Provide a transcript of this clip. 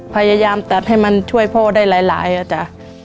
พยายามตัดให้มันช่วยพ่อได้หลายอ่ะจ๊ะ